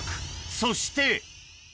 そして。